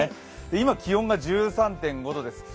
今、気温が１３．５度です。